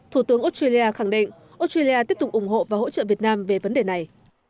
thủ tướng australia khẳng định australia tiếp tục ủng hộ và hỗ trợ việt nam về vấn đề này